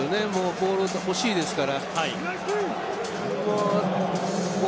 ボールがほしいですから。